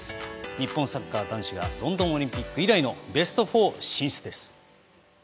日本サッカー男子がロンドンオリンピック以来のベスト４進出です。